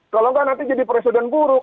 kalau enggak nanti jadi presiden buruk